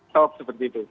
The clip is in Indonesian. top seperti itu